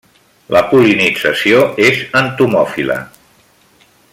La pol·linització és entomòfila.